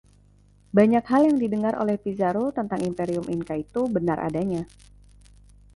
Banyak hal yang didengar oleh Pizzaro tentang imperium Inca itu benar adanya.